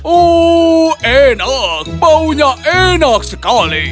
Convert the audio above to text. uh enak baunya enak sekali